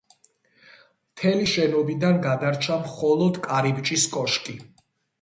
მთელი შენობიდან გადარჩა მხოლოდ კარიბჭის კოშკი.